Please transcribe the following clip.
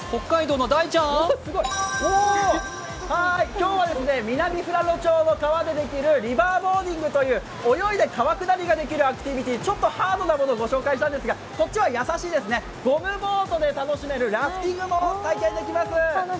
今日は南富良野町の川でできるリバーボーディングという泳いで川下りができるアクティビティー、ちょっとハードなものご紹介したんですが、こっちはやさしいですね、ゴムボートで楽しめるラフティングも体験できます。